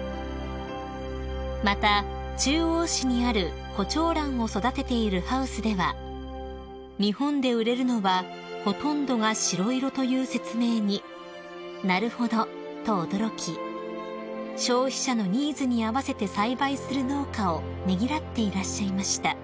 ［また中央市にあるコチョウランを育てているハウスでは日本で売れるのはほとんどが白色という説明に「なるほど」と驚き消費者のニーズに合わせて栽培する農家をねぎらっていらっしゃいました］